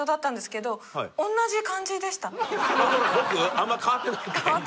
あんま変わってないって？